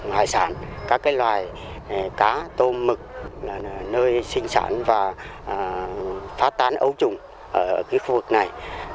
hải sản các loài cá tôm mực nơi sinh sản và phát tán ấu trùng ở khu vực này